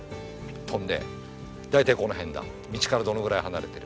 飛んで大体この辺だ道からどのぐらい離れてる。